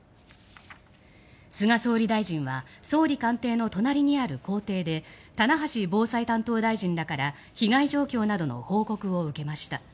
菅総理大臣は総理官邸の隣にある公邸で棚橋防災担当大臣らから被害状況などの報告を受けました。